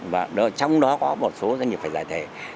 và trong đó có một số doanh nghiệp phải giải thể